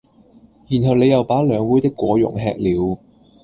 然後你又把兩杯的果茸吃了